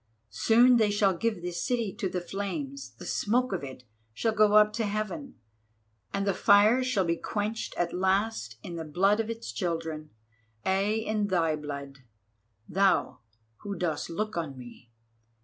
Soon they shall give this city to the flames, the smoke of it shall go up to heaven, and the fires shall be quenched at last in the blood of its children—ay, in thy blood, thou who dost look on me."